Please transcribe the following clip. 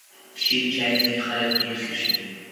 شین چای ځینې خلک ډېر څښي.